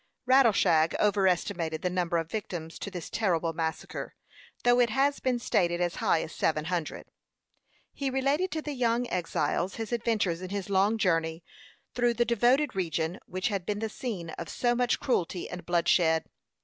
Rattleshag over estimated the number of victims to this terrible massacre, though it has been stated as high as seven hundred. He related to the young exiles his adventures in his long journey through the devoted region which had been the scene of so much cruelty and bloodshed.